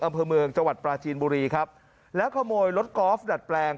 อำเภอเมืองจังหวัดปราจีนบุรีครับแล้วขโมยรถกอล์ฟดัดแปลง